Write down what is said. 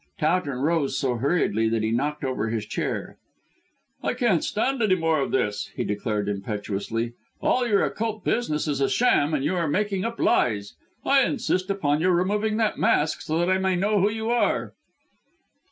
Towton rose so hurriedly that he knocked over his chair. "I can't stand any more of this," he declared impetuously; "all your occult business is a sham, and you are making up lies. I insist upon your removing that mask so that I may know who you are."